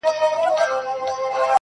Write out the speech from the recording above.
ټول حواس د ښکلا سرچینې دي